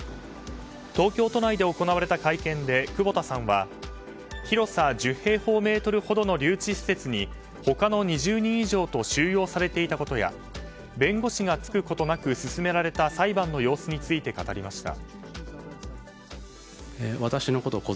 東京都内で行われた会見で久保田さんは広さ１０平方メートルほどの留置施設に他の２０人以上と収容されていたことや弁護士がつくことなく進められた裁判の様子について語りました。